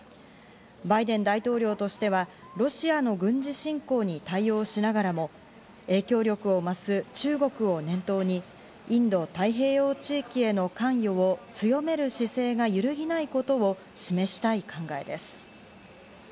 バイデン大統領としてはロシアの軍事侵攻に対応しながらも、影響力を増す中国を念頭に、インド太平洋地域への関与を強める姿勢が揺るぎないことを示したい考えです。